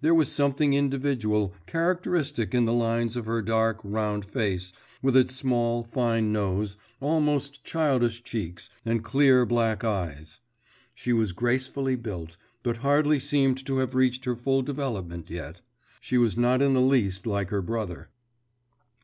There was something individual, characteristic in the lines of her dark, round face, with its small, fine nose, almost childish cheeks, and clear black eyes. She was gracefully built, but hardly seemed to have reached her full development yet. She was not in the least like her brother.